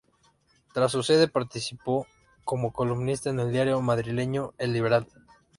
Tras su cese participó como columnista en el diario madrileño "El Liberal".